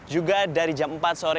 juga dari jam empat